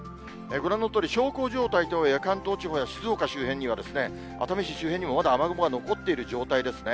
ご覧のとおり、小康状態と思いきや、関東地方、静岡周辺には、熱海市周辺にはまだ雨雲が残っている状態ですね。